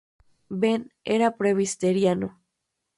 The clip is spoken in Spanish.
Ben era presbiteriano.